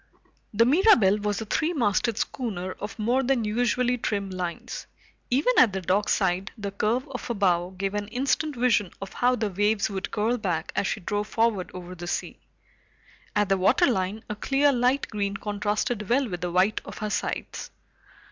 The Mirabelle was a three masted schooner of more than usually trim lines. Even at the dockside, the curve of her bow gave an instant vision of how the waves would curl back as she drove forward over the sea. At the waterline, a clear light green contrasted well with the white of her sides.